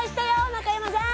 中山さん